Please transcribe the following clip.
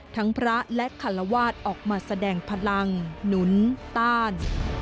พระและคารวาสออกมาแสดงพลังหนุนต้าน